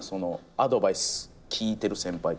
アドバイス聞いてる先輩。